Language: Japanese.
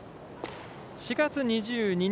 ４月２２日